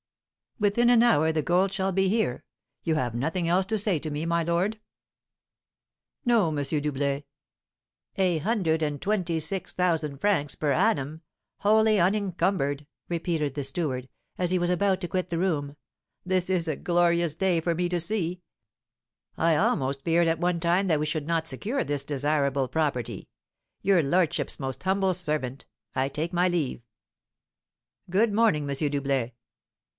"Within an hour the gold shall be here. You have nothing else to say to me, my lord?" "No, M. Doublet." "A hundred and twenty six thousand francs per annum, wholly unincumbered," repeated the steward, as he was about to quit the room; "this is a glorious day for me to see; I almost feared at one time that we should not secure this desirable property. Your lordship's most humble servant, I take my leave." "Good morning, M. Doublet."